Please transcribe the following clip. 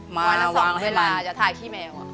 วันทั้งสองเวลาจะทายขี้แมว